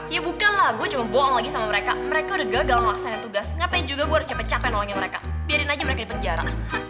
ya bukalah gue cuma bohong lagi sama mereka mereka udah gagal ngelaksana tugas ngapain juga gue harus cepat capek nolongnya mereka biarin aja mereka di penjara